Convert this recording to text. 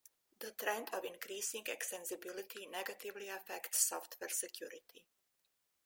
The trend of increasing extensibility negatively affects software security.